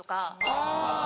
あぁ。